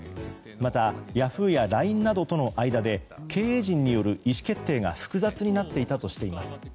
また、ヤフーやＬＩＮＥなどとの間で経営陣による意思決定が複雑になっていたとしています。